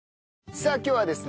さあ今日はですね